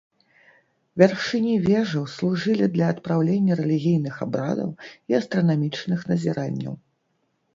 Вяршыні вежаў служылі для адпраўлення рэлігійных абрадаў і астранамічных назіранняў.